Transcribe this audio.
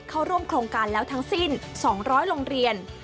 เข้าร่วมโครงการแล้วทั้งสิ้น๒๐๐โรงเรียน